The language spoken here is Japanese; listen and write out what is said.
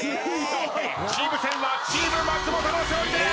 チーム戦はチーム松本の勝利でーす！